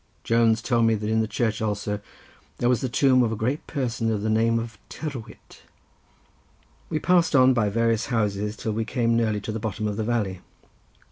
Jones told me that in the church also there was the tomb of a great person of the name of Tyrwhitt. We passed on by various houses till we came nearly to the bottom of the valley.